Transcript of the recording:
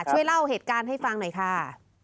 ช่วยเล่าเหตุการณ์ให้ฟังหน่อยค่ะ